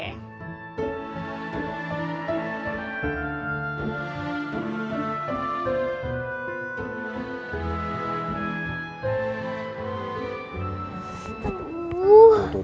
yaudah aku nulis